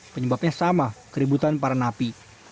penyebabnya sama keributan para napi